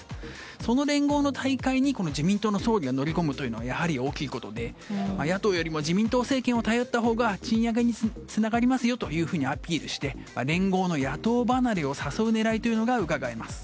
その連合の大会に自民党の総理が乗り込むというのはやはり大きいことで野党よりも自民党政権を頼ったほうが賃上げにつながりますよとアピールして連合の野党離れを誘う狙いがうかがえます。